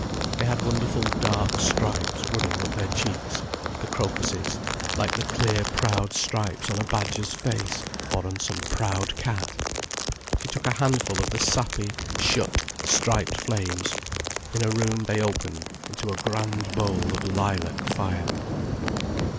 They had wonderful dark stripes running up their cheeks, the crocuses, like the clear proud stripes on a badger's face, or on some proud cat. She took a handful of the sappy, shut, striped flames. In her room they opened into a grand bowl of lilac fire.